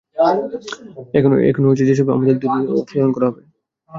এখনো যেসব রয়েছে আগামী দুই দিনের মধ্যে সেগুলো অপসারণ করা হবে।